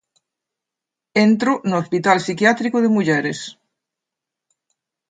Entro no Hospital Psiquiátrico de mulleres.